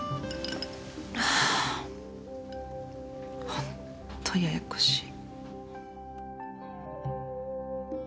ホントややこしい。